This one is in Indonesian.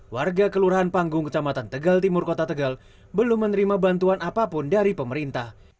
warga kelurahan panggung kecamatan tegal timur kota tegal belum menerima bantuan apapun dari pemerintah